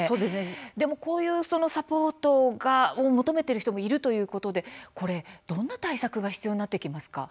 でも、こういうサポートを求めている人がいるということでどんな対策が必要になってきますか。